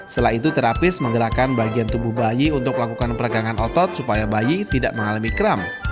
setelah itu terapis menggerakkan bagian tubuh bayi untuk melakukan peregangan otot supaya bayi tidak mengalami kram